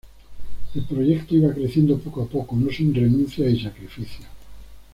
El proyecto iba creciendo poco a poco, no sin renuncias y sacrificios.